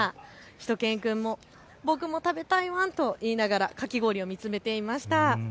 しゅと犬くんも僕も食べたいワンと言いながらかき氷を見つめていました。